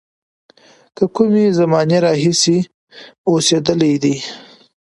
له کومې زمانې راهیسې اوسېدلی دی.